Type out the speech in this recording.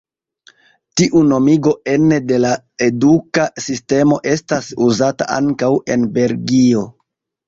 Tiu nomigo ene de la eduka sistemo estas uzata ankaŭ en Belgio.